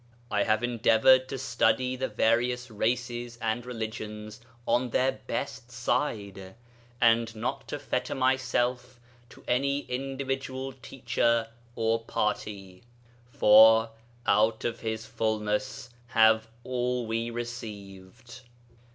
I have endeavoured to study the various races and religions on their best side, and not to fetter myself to any individual teacher or party, for 'out of His fulness have all we received.'